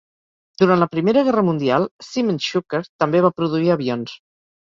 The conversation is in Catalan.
Durant la Primera Guerra Mundial Siemens-Schuckert també va produir avions.